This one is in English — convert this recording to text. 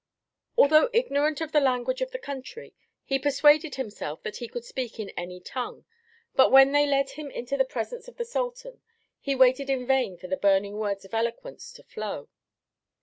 Although ignorant of the language of the country, he persuaded himself that he could speak in any tongue; but when they led him into the presence of the Sultan he waited in vain for the burning words of eloquence to flow.